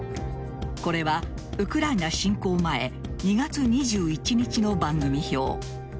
これは、ウクライナ侵攻前２月２１日の番組表。